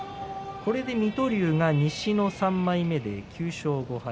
これで水戸龍が西の３枚目で９勝５敗。